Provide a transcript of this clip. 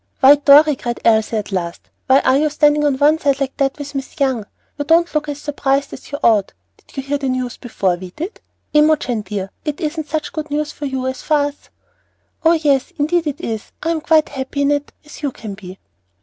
"Why, Dorry," cried Elsie at last, "why are you standing on one side like that with Miss Young? You don't look as surprised as you ought. Did you hear the news before we did? Imogen dear, it isn't such good news for you as for us." "Oh, yes, indeed it is. I am quite as happy in it as you can be."